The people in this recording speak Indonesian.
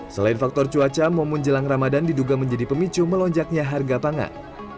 selain faktor cuaca momen jelang ramadan diduga menjadi pemicu melonjaknya harga pangan